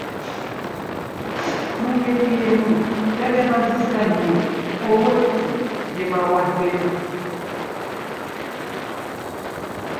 Mu ngeri y'emu, yabeebazizza nnyo olw'ettu lye baawaddeyo